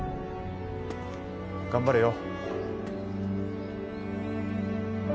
頑張れよ。